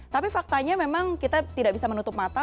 tapi faktanya memang kita tidak bisa menutup mata